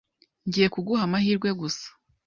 Ngiye kuguha amahirwe gusa.